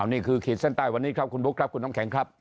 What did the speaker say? นี่คือขีดเส้นใต้วันนี้ครับคุณลุกครับคุณน้องแข็งครับ